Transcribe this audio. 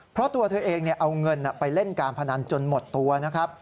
เพราะตัวเธอเองเอาเงินไปเล่นการพนันจนหมดตัวนะครับ